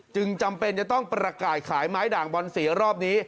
จำเป็นจะต้องประกาศขายไม้ด่างบอลสีรอบนี้